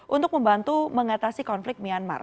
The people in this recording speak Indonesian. untuk membantu mengatasi konflik myanmar